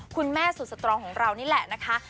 คุณแม่สุดสตรองของเรานี่แหละนะคะ